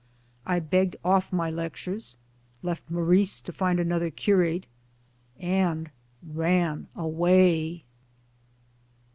I begged off my; lectures, left Maurice to find another curate, and ran away